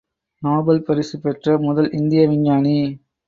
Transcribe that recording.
Nobel பரிசு பெற்ற முதல் இந்திய விஞ்ஞானி.